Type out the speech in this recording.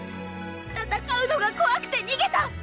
戦うのがこわくてにげた！